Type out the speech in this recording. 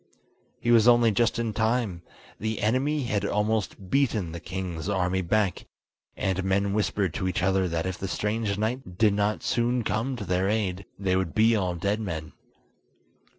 He was only just in time: the enemy had almost beaten the king's army back, and men whispered to each other that if the strange knight did not soon come to their aid, they would be all dead men.